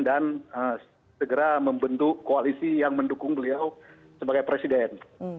dan segera membentuk koalisi yang mendukung beliau sebagai presiden